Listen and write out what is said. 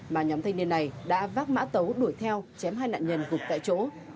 mà nhóm thanh niên này đã vác mã tấu đuổi theo chém hai nạn nhân gục tại chỗ